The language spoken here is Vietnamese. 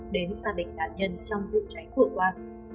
đến gia đình nạn nhân trong vụ cháy vừa qua